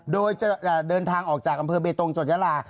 โดยจะเดินทางออกจากอำเภอเบตงจดยาลา